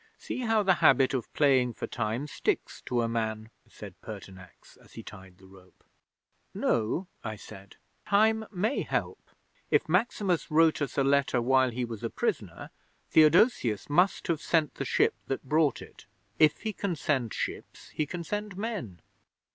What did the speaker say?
See how the habit of playing for time sticks to a man!" said Pertinax, as he tied the rope. '"No," I said. "Time may help. If Maximus wrote us a letter while he was a prisoner, Theodosius must have sent the ship that brought it. If he can send ships, he can send men."